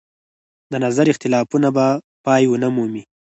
د نظر اختلافونه به پای ونه مومي.